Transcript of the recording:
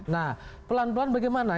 nah pelan pelan bagaimana